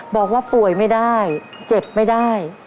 บอกว่าป่วยไม่ได้เจ็บไม่ได้